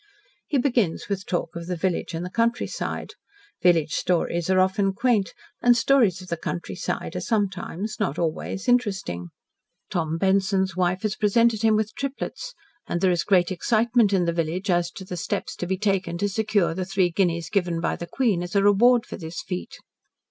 He begins with talk of the village and the country side. Village stories are often quaint, and stories of the countryside are sometimes not always interesting. Tom Benson's wife has presented him with triplets, and there is great excitement in the village, as to the steps to be taken to secure the three guineas given by the Queen as a reward for this feat.